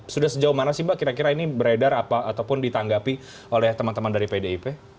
sudah sejauh mana sih mbak kira kira ini beredar ataupun ditanggapi oleh teman teman dari pdip